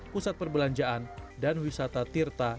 pusat perbelanjaan dan wisata tirta